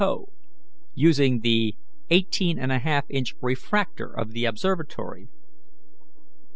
Hough, using the eighteen and a half inch refractor of the observatory.